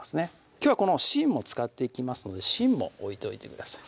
きょうはこの芯も使っていきますので芯も置いておいてください